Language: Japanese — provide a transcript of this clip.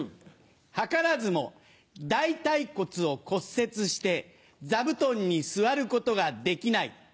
「図らずも大腿骨を骨折して座布団に座ることができない」。